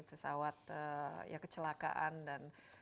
pesawat ya kecelakaan dan